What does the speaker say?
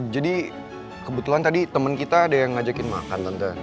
jadi kebetulan tadi temen kita ada yang ngajakin makan tante